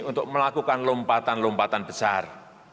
untuk melakukan lompatan lompatan besar